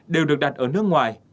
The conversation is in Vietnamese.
đều được đặt ở nước ngoài